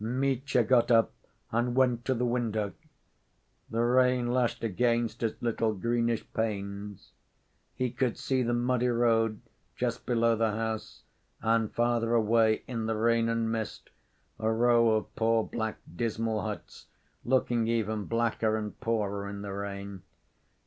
Mitya got up and went to the window.... The rain lashed against its little greenish panes. He could see the muddy road just below the house, and farther away, in the rain and mist, a row of poor, black, dismal huts, looking even blacker and poorer in the rain.